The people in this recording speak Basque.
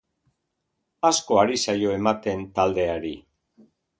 Asko ari zaio ematen taldeari.